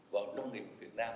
còn đồng nghiệp việt nam